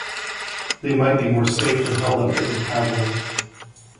They might be more safely held up as a pattern.